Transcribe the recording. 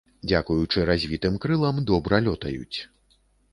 Дзякуючы развітым крылам добра лётаюць.